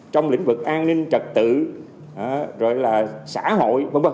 trong lĩnh vực an ninh trật tự rồi là xã hội v v